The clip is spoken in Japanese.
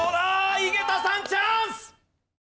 井桁さんチャンス！